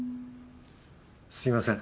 すみません。